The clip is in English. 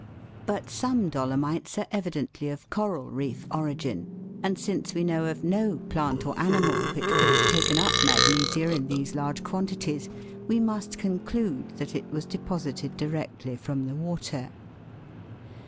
K 146 THE WORLD'S LUMBER ROOM. But some dolomites are evidently of coral reef origin, and since we know of no plant or animal which could have taken up magnesia in these large quantities, we must conclude that it was deposited directly from the water.